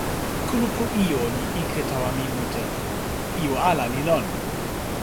kulupu ijo li ike tawa mi mute. ijo ala li lon.